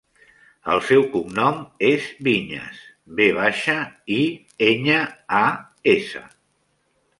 El seu cognom és Viñas: ve baixa, i, enya, a, essa.